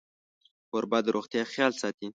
کوربه د روغتیا خیال ساتي.